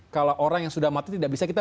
kalau orang yang sudah mati tidak bisa kita